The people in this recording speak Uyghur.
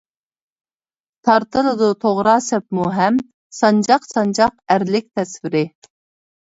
تارتىلىدۇ توغرا سەپمۇ ھەم، سانجاق-سانجاق ئەرلىك تەسۋىرى.